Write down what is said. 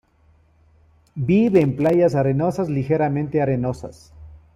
Vive en playas arenosas ligeramente arenosas.